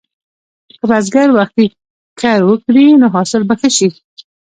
که بزګر وختي کر وکړي، نو حاصل به ښه شي.